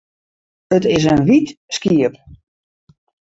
It is in wyt skiep.